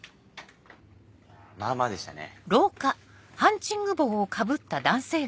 まぁまぁでしたね。